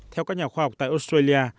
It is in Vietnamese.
theo các nhà khoa học tại australia